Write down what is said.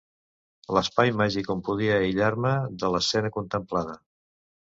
L'espai màgic on podia aïllar-me de l'escena contemplada.